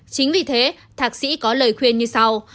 chính vì thế thạc sĩ có lời khuyên như sau